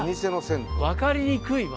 分かりにくいわ。